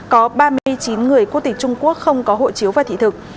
có ba mươi chín người quốc tịch trung quốc không có hộ chiếu và thị thực